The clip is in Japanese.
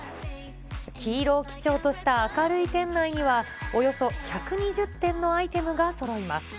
黄色を基調とした明るい店内には、およそ１２０点のアイテムがそろいます。